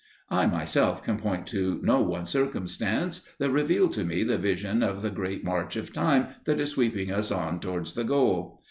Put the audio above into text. I myself can point to no one circumstance that revealed to me the vision of the great march of time that is sweeping us on towards the goal.